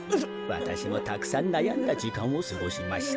わたしもたくさんなやんだじかんをすごしました。